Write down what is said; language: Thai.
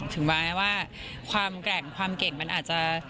ถึงแม้ว่าความแกร่งความเก่งมันอาจจะ